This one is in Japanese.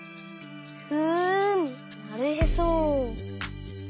ふんなるへそ。